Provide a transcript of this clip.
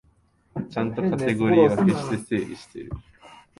ちゃんとカテゴリー分けして整理してる